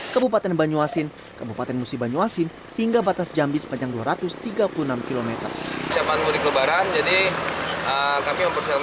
kebupatan banyu asin kebupatan musibanyu asin hingga batas jambi sepanjang dua ratus tiga puluh enam km